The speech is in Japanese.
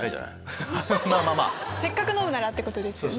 せっかく飲むならってことですよね。